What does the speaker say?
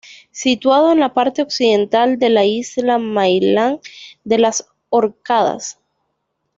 Situado en la parte occidental de la isla Mainland de las Orcadas.